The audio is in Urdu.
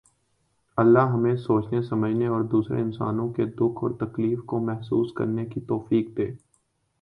اللہ ہمیں سوچنے سمجھنے اور دوسرے انسانوں کے دکھ اور تکلیف کو محسوس کرنے کی توفیق دے